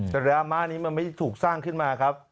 แต่ดราม่านี้มันไม่ได้ถูกสร้างขึ้นมาครับ